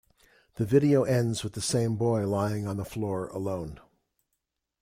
The video ends with the same boy lying on the floor alone.